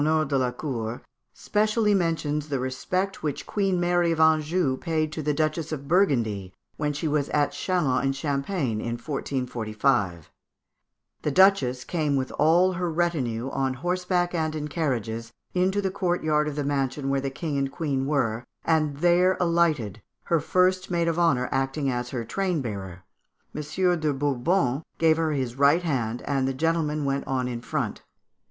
] The authoress of the "Honneurs de la Cour" specially mentions the respect which Queen Mary of Anjou paid to the Duchess of Burgundy when she was at Châlons in Champagne in 1445: "The Duchess came with all her retinue, on horseback and in carriages, into the courtyard of the mansion where the King and Queen were, and there alighted, her first maid of honour acting as her train bearer. M. de Bourbon gave her his right hand, and the gentlemen went on in front.